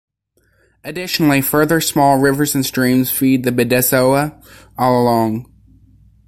Additionally, further small rivers and streams feed the Bidasoa all along.